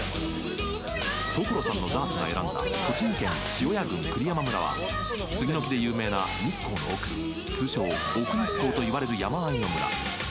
所さんのダーツが選んだ、栃木県塩谷郡栗山村は杉の木で有名な日光の奥、通称・奥日光といわれる山あいの村。